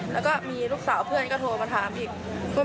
แต่พอดีบางคนโทรมาถามเราก่อน